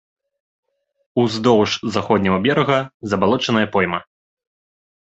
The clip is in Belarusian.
Уздоўж заходняга берага забалочаная пойма.